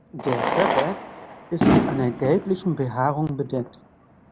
Der Körper ist mit einer gelblichen Behaarung bedeckt.